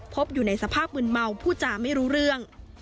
พบอยู่ในสภาพมืนเมาผู้จาไม่รู้เรื่อง